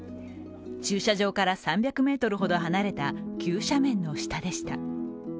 駐車場から３００ｍほど離れた急斜面の下でした。